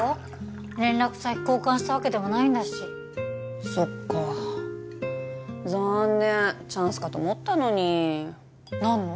連絡先交換したわけでもないんだしそっか残念チャンスかと思ったのに何の？